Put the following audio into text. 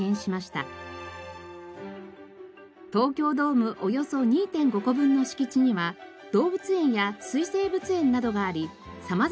東京ドームおよそ２．５個分の敷地には動物園や水生物園などがあり様々な生き物を展示。